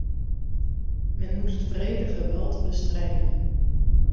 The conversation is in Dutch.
Men moet het wrede geweld bestrijden.